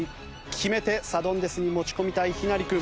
決めてサドンデスに持ち込みたい陽成君。